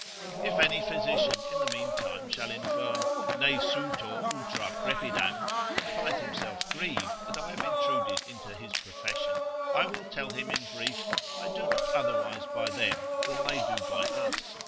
If any physician in the mean time shall infer, Ne sutor ultra crepidam, and find himself grieved that I have intruded into his profession, I will tell him in brief, I do not otherwise by them, than they do by us.